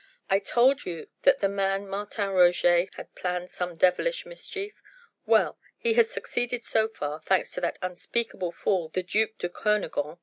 "I told you that the man Martin Roget had planned some devilish mischief well! he has succeeded so far, thanks to that unspeakable fool the duc de Kernogan."